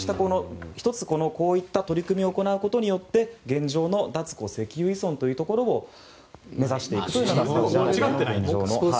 こういった取り組みを行うことによって現状の脱石油依存というところを目指しているという。